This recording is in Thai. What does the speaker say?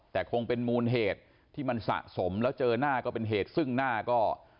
แต่คงเป็นมูลเหตุที่มันสะสมแล้วเจอหน้าก็เป็นเหตุซึ่งหน้าก็